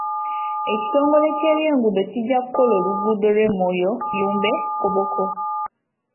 Ekitongole ky'ebyenguudo kijja kukola oluguudo olw'e Moyo-Yumbe-Koboko.